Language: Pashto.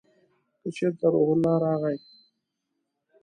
که چېرته روح الله راغی !